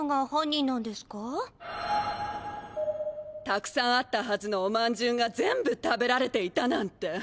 たくさんあったはずのおまんじゅうが全部食べられていたなんて。